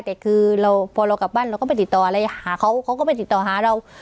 แต่คือเราพอเรากลับบ้านเราก็ไปติดต่ออะไรหาเขาเขาก็ไปติดต่อหาเรา